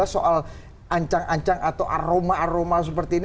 soal ancang ancang atau aroma aroma seperti ini